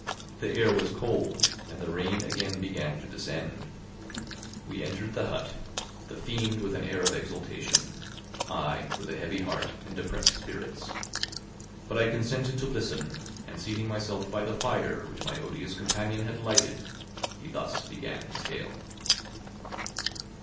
The air was cold, and the rain again began to descend; we entered the hut, the fiend with an air of exultation, I with a heavy heart and depressed spirits. But I consented to listen, and seating myself by the fire which my odious companion had lighted, he thus began his tale.